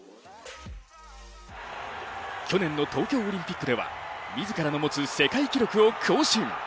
去年の東京オリンピックでは自らの持つ世界記録を更新。